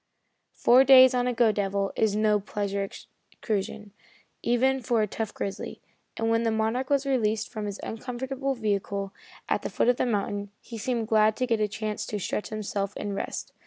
Four days on a "go devil" is no pleasure excursion, even for a tough grizzly, and when the Monarch was released from his uncomfortable vehicle, at the foot of the mountain, he seemed glad to get a chance to stretch himself and rest.